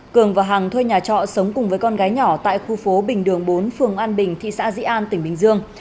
cường và hằng thuê nhà trọ sống cùng với con gái nhỏ tại khu phố bình đường bốn phường an bình thị xã dĩ an tỉnh bình dương